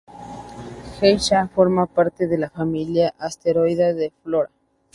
Geisha forma parte de la familia asteroidal de Flora.